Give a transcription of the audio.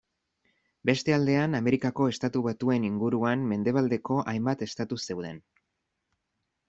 Beste aldean Amerikako Estatu Batuen inguruan mendebaldeko hainbat estatu zeuden.